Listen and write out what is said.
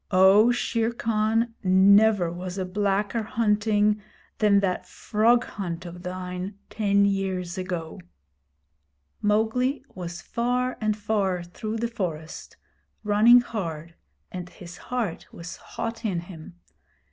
'Oh, Shere Khan, never was a blacker hunting than that frog hunt of thine ten years ago!' Mowgli was far and far through the forest, running hard, and his heart was hot in him.